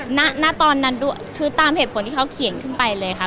หน้าต้อนที่แล้วดูคือตามเหตุผลที่เขาเขียนไปเลยค่า